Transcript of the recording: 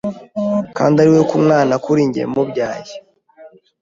kandi ari we mwana kuri njye mubyaye.